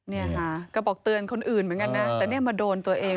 เนี่ยค่ะก็บอกเตือนคนอื่นเหมือนกันนะแต่เนี่ยมาโดนตัวเอง